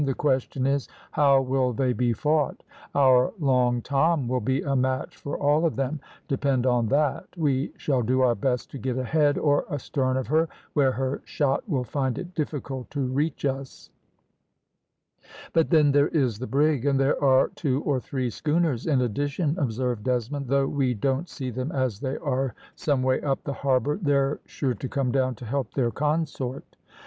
"The question is, how will they be fought? Our Long Tom will be a match for all of them, depend on that. We shall do our best to get ahead or astern of her, where her shot will find it difficult to reach us." "But then there is the brig, and there are two or three schooners in addition," observed Desmond. "Though we don't see them as they are some way up the harbour, they're sure to come down to help their consort."